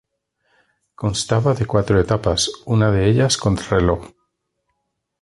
Constaba de cuatro etapas, una de ellas contrarreloj.